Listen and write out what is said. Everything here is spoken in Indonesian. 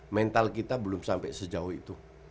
mental kita belum sampai sejauh itu